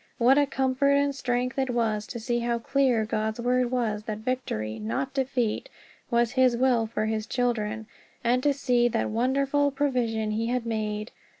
What a comfort and strength it was to see how clear God's Word was that victory, not defeat, was his will for his children, and to see what wonderful provision he had made!